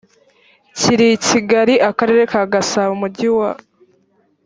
kiri i kigali akarere ka gasabo umujyi wa